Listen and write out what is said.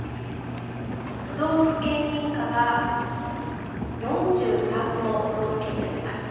都道府県民歌は４３の都道府県にあります。